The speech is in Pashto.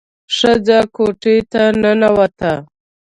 ښځه کوټې ته ننوته.